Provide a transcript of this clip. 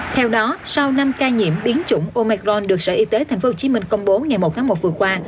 theo đó sau năm ca nhiễm biến chủng omecron được sở y tế tp hcm công bố ngày một tháng một vừa qua